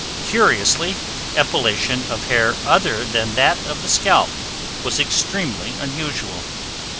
Curiously, epilation of hair other than that of the scalp was extremely unusual.